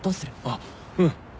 あっうん。